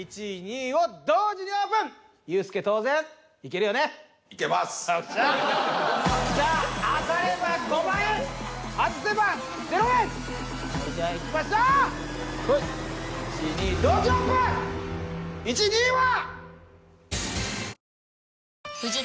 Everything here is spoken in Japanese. １位２位は！